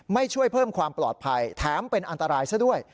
ช่วยเพิ่มความปลอดภัยแถมเป็นอันตรายซะด้วย